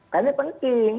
karena ini penting